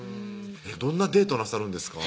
どんなデートなさるんですか？